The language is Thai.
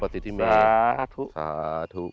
สาธุสาธุ